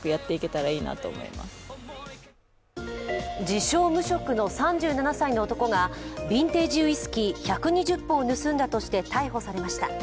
自称・無職の３７歳の男がビンテージウイスキー１２０本を盗んだとして逮捕されました。